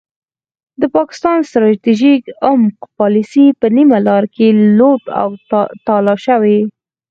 د پاکستان ستراتیژیک عمق پالیسي په نیمه لار کې لوټ او تالا شوې.